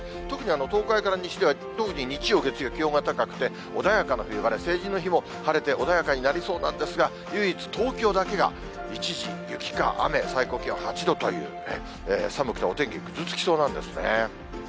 特に東海から西では、特に日曜、月曜、気温が高くて、穏やかな冬晴れ、成人の日も、晴れて穏やかになりそうなんですが、唯一東京だけが、一時雪か雨、最高気温８度という、寒くて、お天気ぐずつきそうなんですね。